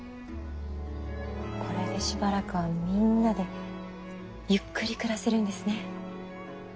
これでしばらくはみんなでゆっくり暮らせるんですね。